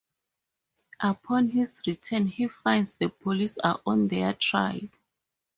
Upon his return he finds the police are on their trail.